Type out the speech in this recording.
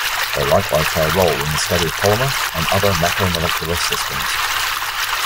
They likewise play a role in the study of polymer and other macromolecular systems.